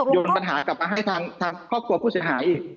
ยนปัญหากลับมาให้ทางครอบครัวผู้เสียหายอีก